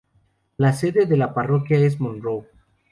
La sede de la parroquia es Monroe.